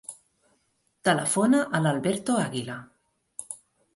Telefona a l'Alberto Aguila.